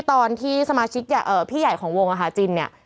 ตอนที่สมาชิกพี่ใหญ่ของวงอาหารจินเนี่ย